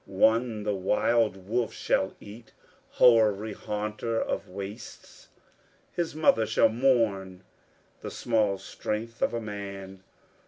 One the wild wolf shall eat, hoary haunter of wastes: His mother shall mourn the small strength of a man.